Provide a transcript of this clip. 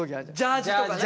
ジャージとかね。